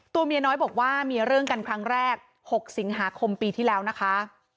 เมียน้อยบอกว่ามีเรื่องกันครั้งแรก๖สิงหาคมปีที่แล้วนะคะ